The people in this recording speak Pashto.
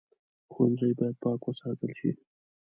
ښوونځی باید پاک وساتل شي